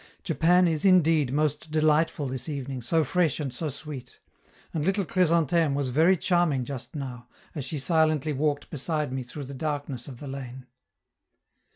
Japan is indeed most delightful this evening, so fresh and so sweet; and little Chrysantheme was very charming just now, as she silently walked beside me through the darkness of the lane.